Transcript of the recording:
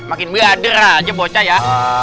makin biadar aja bocah ya